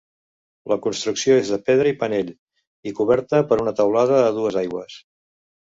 La construcció és de pedra i panell, i coberta per una teulada a dues aigües.